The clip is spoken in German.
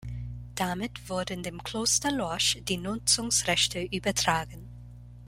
Damit wurden dem Kloster Lorsch die Nutzungsrechte übertragen.